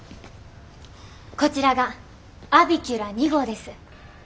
こちらがアビキュラ２号です。